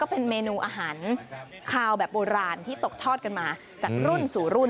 เป็นเมนูอาหารคาวแบบโบราณที่ตกทอดกันมาจากรุ่นสู่รุ่น